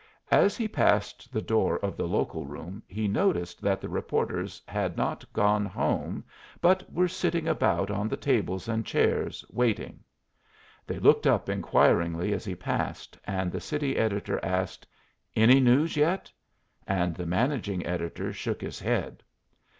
As he passed the door of the local room, he noticed that the reporters had not gone home, but were sitting about on the tables and chairs, waiting. They looked up inquiringly as he passed, and the city editor asked, "Any news yet?" and the managing editor shook his head.